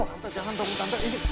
tante jangan dong tante ini